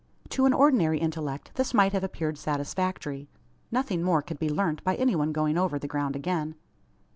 To an ordinary intellect this might have appeared satisfactory. Nothing more could be learnt by any one going over the ground again.